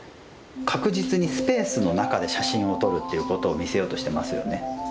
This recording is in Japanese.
確実にスペースの中で写真を撮るということを見せようとしてますよね。